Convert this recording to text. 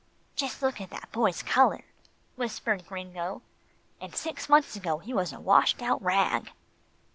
"Just look at that boy's colour," whispered Gringo, "and six months ago, he was a washed out rag."